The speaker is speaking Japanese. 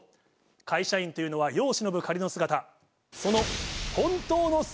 会社員というのは世を忍ぶ仮の姿。